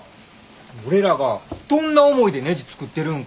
俺らがどんな思いでねじ作ってるんか。